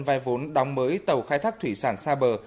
vay vốn đóng mới tàu khai thác thủy sản xa bờ